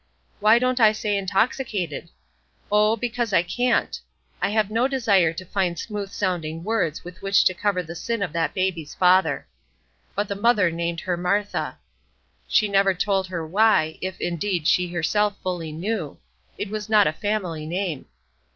Why don't I say intoxicated? Oh, because I can't! I've no desire to find smooth sounding words with which to cover the sin of that baby's father. But the mother named her Martha. She never told her why, if, indeed, she herself fully knew; it was not a family name.